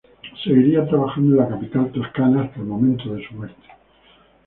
Seguiría trabajando en la capital toscana hasta el momento de su muerte.